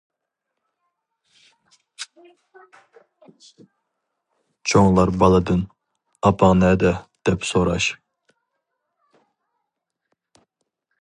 چوڭلار بالىدىن : «ئاپاڭ نەدە؟ » دەپ سوراش.